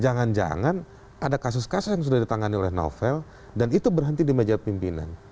jangan jangan ada kasus kasus yang sudah ditangani oleh novel dan itu berhenti di meja pimpinan